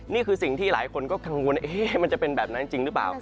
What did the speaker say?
นี่คือสิ่งที่หลายคนก็กังวลมันจะเป็นแบบนั้นจริงหรือเปล่า